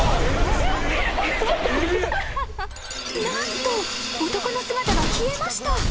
［何と男の姿が消えました］